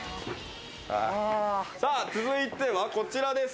続いては、こちらです。